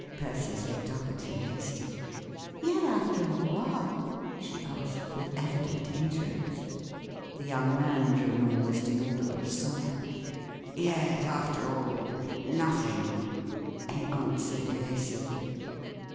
Persis looked up at him hastily, " Yet, after all, what ?" she asked, with evident ■ interest The young man drew an almost inaudible sigh. " Yet, after all—nothing," he answered, evasively.